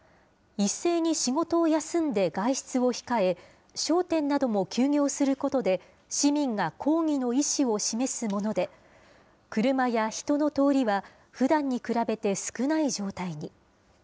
一斉に仕事を休んで外出を控え、商店なども休業することで、市民が抗議の意思を示すもので、車や人の通りは、ふだんに比べて少ない状態に。